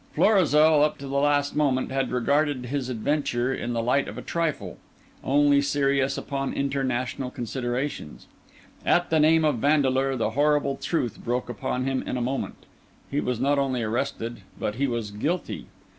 Florizel, up to the last moment, had regarded his adventure in the light of a trifle, only serious upon international considerations. At the name of Vandeleur the horrible truth broke upon him in a moment; he was not only arrested, but he was guilty.